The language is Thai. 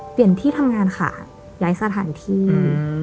เปลี่ยนที่ทำงานค่ะย้ายสถานที่อืม